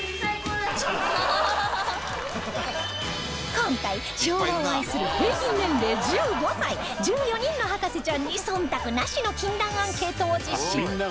今回昭和を愛する平均年齢１５歳１４人の博士ちゃんに忖度なしの禁断アンケートを実施